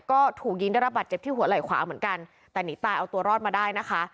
ก็ถูกยิงได้รับบาดเจ็บที่หัวไหล่ขวาเหมือนกันแต่หนีตายเอาตัวรอดมาได้นะคะ